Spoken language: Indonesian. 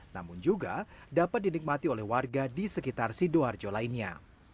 namun juga dapat dinikmati oleh warga di sekitar sidoarjo lainnya